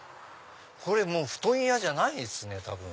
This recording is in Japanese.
これ布団屋じゃないですね多分。